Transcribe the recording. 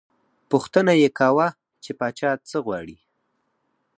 پوښتنه یې کاوه، چې پاچا څه غواړي.